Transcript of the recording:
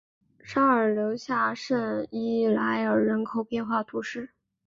沙尔留下圣伊莱尔人口变化图示